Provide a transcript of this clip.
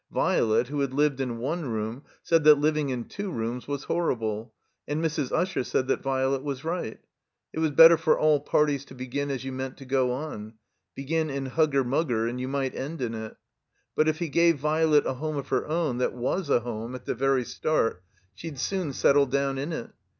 Violet, who had lived in one room, said that Uving in two rooms was horrible, and Mrs. Usher said that Violet was right. It was better for aU parties to begin as you meant to go on. Begin in hugger mugger and you may end in it. But if he gave Violet a home of her own that was a home at the very start, she'd soon settle down in it.